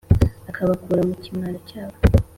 akabakura mu kimwaro cyabo,